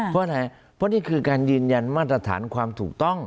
เพราะอะไรเพราะนี่คือการยืนยันมาตรฐานความถูกต้อง